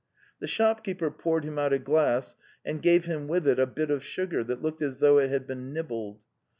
The shopkeeper poured him out a glass and gave him with it a bit of sugar that looked as though it had been nibbled.